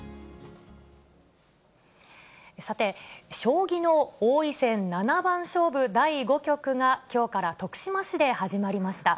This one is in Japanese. さて、将棋の王位戦七番勝負第５局が、きょうから徳島市で始まりました。